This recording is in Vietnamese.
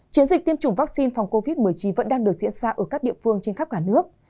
chiến dịch tiêm chủng vaccine phòng covid một mươi chín vẫn đang được diễn ra ở các địa phương trên khắp cả nước